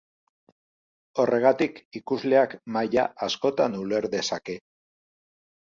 Horregatik, ikusleak maila askotan uler dezake.